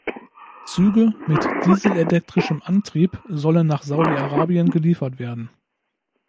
Züge mit Diesel-elektrischem Antrieb sollen nach Saudi-Arabien geliefert werden.